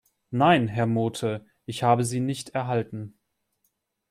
Nein, Herr Mote, ich habe sie nicht erhalten.